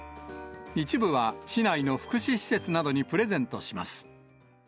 一部は市内の福祉施設などにプレゼントします。